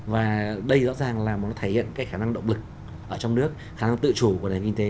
và đây rõ ràng là một thể hiện cái khả năng động lực ở trong nước khả năng tự chủ của nền kinh tế